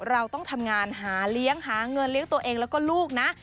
เราต้องทำงานหาเลี้ยงหาเงินเลี้ยงตัวเองแล้วก็ลูกนะ